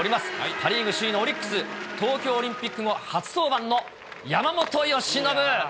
パ・リーグ首位のオリックス、東京オリンピック後初登板の山本由伸。